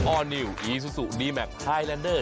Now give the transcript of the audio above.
อร์นิวอีซูซูดีแมคไทยแลนเดอร์